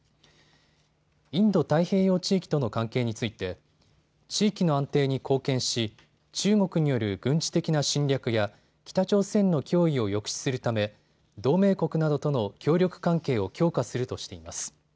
インド太平洋地域との関係について地域の安定に貢献し、中国による軍事的な侵略や北朝鮮の脅威を抑止するため同盟国などとの協力関係を強化するとしています。